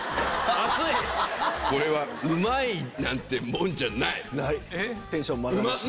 これはうまいなんてもんじゃない！